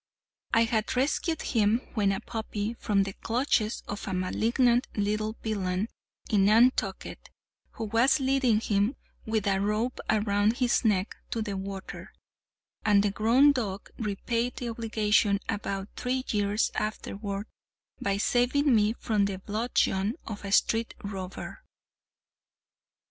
I had rescued him, when a puppy, from the clutches of a malignant little villain in Nantucket who was leading him, with a rope around his neck, to the water; and the grown dog repaid the obligation, about three years afterward, by saving me from the bludgeon of a street robber.